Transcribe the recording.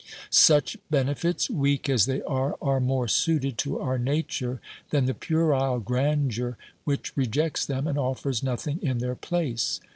Such benefits, weak as they are, are more suited to our nature than the puerile grandeur which rejects them and offers nothing in their place.